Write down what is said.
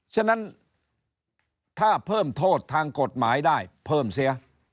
ฉะนั้นถ้าเพิ่มโทษทางกฎหมายได้เพิ่มเสีย